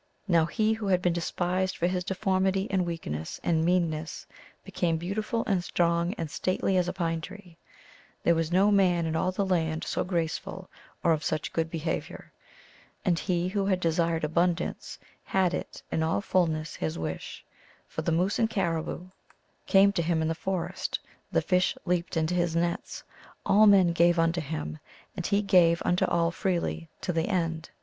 Now he who had been despised for his deformity and weakness and meanness became beautiful and strong and stately as a pine tree. There was no man in all the land so graceful or of such good behavior. And he who had desired abundance had it, in all fullness, his wish. For the moose and caribou came GLOOSKAP THE DIVINITY. 103 to him in the forest, the fish leaped into his nets, all men gave unto him, and he gave unto all freely, to the end.